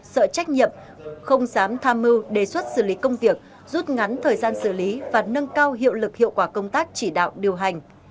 sợ trách nhiệm không dám tham mưu đề xuất xử lý công việc rút ngắn thời gian xử lý và nâng cao hiệu lực hiệu quả công tác chỉ đạo điều hành